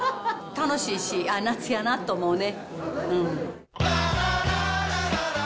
楽しいし、ああ、夏やなって思うね。